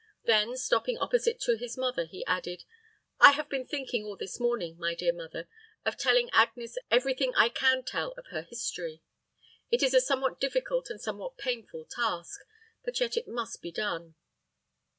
Then stopping opposite to his mother, he added, "I have been thinking all this morning, my dear mother, of telling Agnes every thing I can tell of her history. It is a somewhat difficult and somewhat painful task, but yet it must be done."